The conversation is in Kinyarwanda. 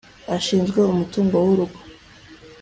ashinzwe umutungo wurugo.